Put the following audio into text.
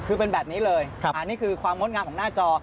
คือเป็นแบบนี้เลยอันนี้คือความงดงามของหน้าจอ